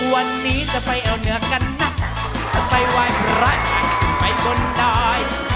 วันนี้จะไปเอาเหนือกันน่ะจะไปวายพระรัชน์ไปบนดอย